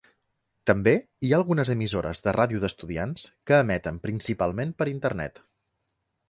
També hi ha algunes emissores de ràdio d'estudiants, que emeten principalment per Internet.